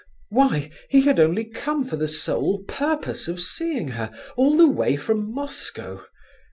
Why, he had only come for the sole purpose of seeing her, all the way from Moscow!